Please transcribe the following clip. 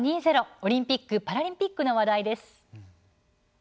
オリンピック・パラリンピックの話題です。